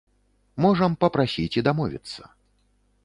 Можам папрасіць і дамовіцца.